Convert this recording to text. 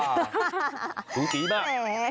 ถูกดีมาก